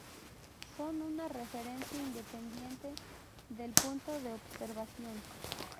Son una referencia independiente del punto de observación.